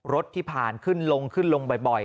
รถที่ผ่านขึ้นลงขึ้นลงบ่อย